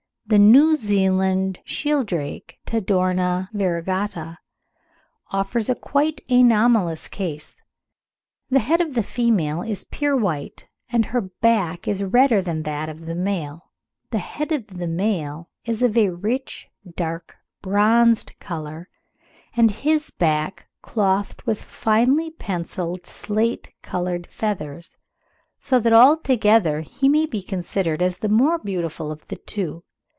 The New Zealand shieldrake (Tadorna variegata) offers a quite anomalous case; the head of the female is pure white, and her back is redder than that of the male; the head of the male is of a rich dark bronzed colour, and his back is clothed with finely pencilled slate coloured feathers, so that altogether he may be considered as the more beautiful of the two.